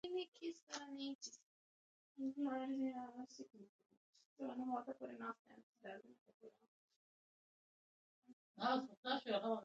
ستوني غرونه د افغانستان د ځایي اقتصادونو بنسټ دی.